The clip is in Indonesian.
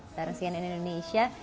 sama cnn indonesia